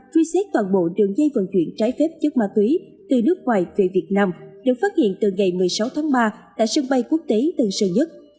truy xét toàn bộ đường dây vận chuyển trái phép chất ma túy từ nước ngoài về việt nam được phát hiện từ ngày một mươi sáu tháng ba tại sân bay quốc tế tân sơn nhất